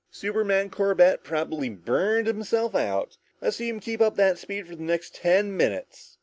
"Superman Corbett probably burned himself out! Let's see him keep up that speed for the next ten minutes!"